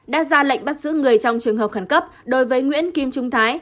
đã ra lệnh bắt giữ người trong trường hợp khẩn cấp đối với nguyễn kim trung thái